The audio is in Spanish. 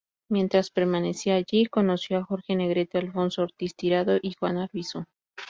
Mientras permanecía allí conoció a Jorge Negrete, Alfonso Ortiz Tirado y Juan Arvizu.